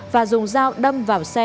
và dùng dao đâm vào xe